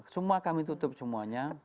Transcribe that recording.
semua kami tutup semuanya